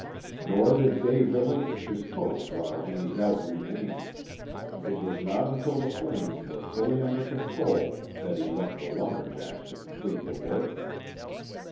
Nor did Dave relinquish his post while any doubt remained. It was not until the flames were fully under control that he left the lumber jacks to complete the work.